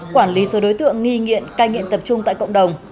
quản lý số đối tượng nghi nghiện cai nghiện tập trung tại cộng đồng